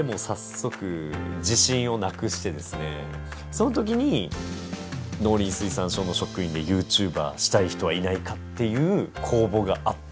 その時に農林水産省の職員でＹｏｕＴｕｂｅｒしたい人はいないかっていう公募があったんですよ。